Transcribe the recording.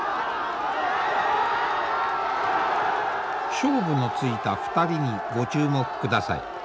勝負のついた２人にご注目ください。